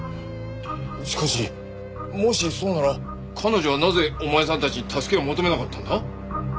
しかしもしそうなら彼女はなぜお前さんたちに助けを求めなかったんだ？